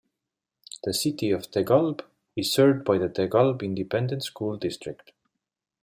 The City of De Kalb is served by the De Kalb Independent School District.